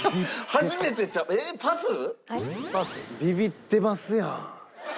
ビビってますやん。